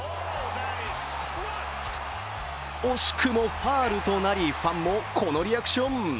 惜しくもファウルとなりファンもこのリアクション。